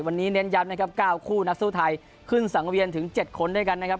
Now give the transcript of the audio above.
วันนี้เน้นย้ำนะครับ๙คู่นักสู้ไทยขึ้นสังเวียนถึง๗คนด้วยกันนะครับ